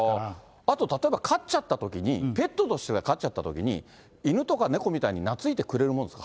あと、例えば飼っちゃったときに、ペットとして飼っちゃったときに犬とか猫みたいに、なついてくれるものですか？